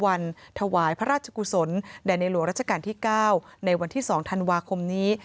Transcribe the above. วันถวายพระราชกุศลแด่ในหลวงราชการที่๙ในวันที่๒ธันวาคมนี้